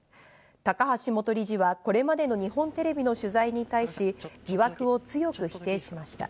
高橋元理事はこれまでの日本テレビの取材に対し、疑惑を強く否定しました。